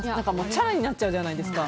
チャラになっちゃうじゃないですか。